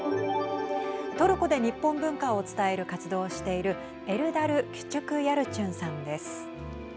トルコで日本文化を伝える活動をしているエルダル・キュチュクヤルチュンさんです。